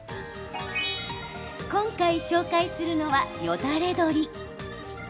今回、紹介するのはよだれ鶏。